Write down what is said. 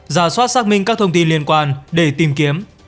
ra soát xác minh các thông tin liên quan để tìm kiếm